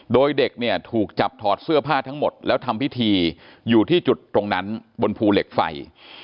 โดยเด็กเนี่ยถูกจับถอดเสื้อผ้าทั้งหมดแล้วทำพิธีอยู่ที่จุดตรงนั้นบนภูเหล็กไฟ